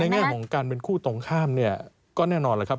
แง่ของการเป็นคู่ตรงข้ามเนี่ยก็แน่นอนเลยครับ